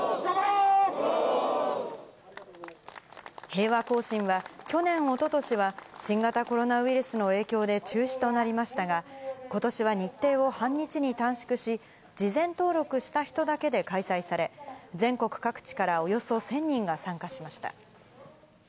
平和行進は、去年、おととしは新型コロナウイルスの影響で中止となりましたが、ことしは日程を半日に短縮し、事前登録した人だけで開催され、全国各地からおよそ１０００人が参加しました。